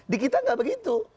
di kita nggak begitu